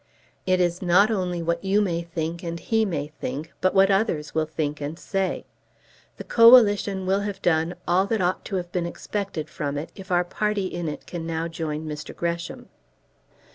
"It is not only what you may think and he may think, but what others will think and say. The Coalition will have done all that ought to have been expected from it if our party in it can now join Mr. Gresham."